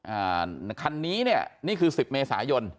อ่าคันนี้เนี่ยนี่คือสิบเมษายน